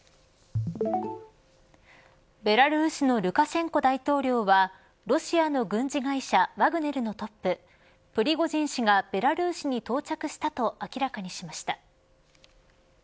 ベラルーシのルカシェンコ大統領はロシアの軍事会社ワグネルのトッププリゴジン氏がベラルーシに到着したと明らかにしました。